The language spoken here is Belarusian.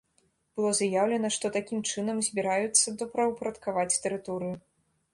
Было заяўлена, што такім чынам збіраюцца добраўпарадкаваць тэрыторыю.